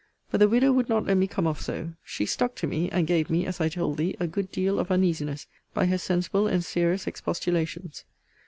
But the widow would not let me come off so. She stuck to me; and gave me, as I told thee, a good deal of uneasiness, by her sensible and serious expostulations.